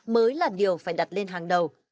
mới là điều phải đặt lên hàng đầu